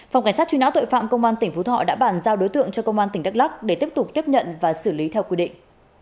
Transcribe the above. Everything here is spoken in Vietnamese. phòng cảnh sát truy nã tội phạm công an tỉnh phú thọ đã bàn giao đối tượng cho công an tỉnh đắk lắc để tiếp tục tiếp nhận và xử lý theo quy định